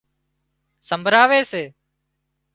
سمڀراوي سي